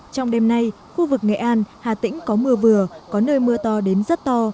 trong đêm nay khu vực nghệ an hà tĩnh có mưa vừa có nơi mưa to đến rất to